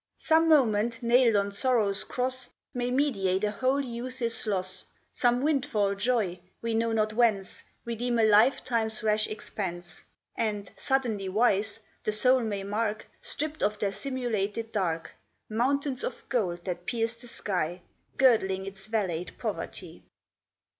Some moment, nailed on sorrow's cross, May mediate a whole youth's loss, Some windfall joy, we know not whence, Redeem a lifetime's rash expense, And, suddenly wise, the soul may mark, Stripped of their simulated dark, Mountains of gold that pierce the sky, Girdling its valleyed poverty.